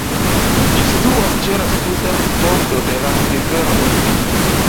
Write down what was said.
Ĝi situas ĉe la suda bordo de la rivero Ohio.